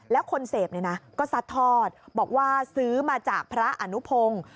แล้วคนเสพเนี่ยนะก็ซัดทอดบอกว่าซื้อมาจากพระอนุพงศ์